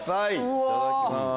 いただきます。